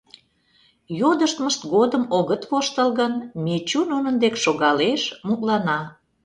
Йодыштмышт годым огыт воштыл гын, Мичу нунын дек шогалеш, мутлана.